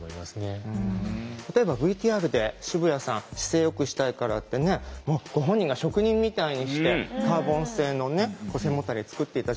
例えばＶＴＲで渋谷さん姿勢よくしたいからってねご本人が職人みたいにしてカーボン製のね背もたれ作っていたじゃないですか。